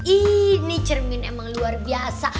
ini cermin emang luar biasa